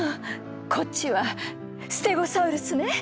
こっちはステゴサウルスね。